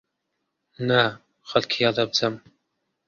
نا، خەڵکی هەڵەبجەم.